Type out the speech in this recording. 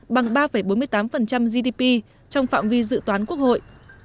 bằng ba bốn mươi tám gdp trong phạm vi dự toán quốc hội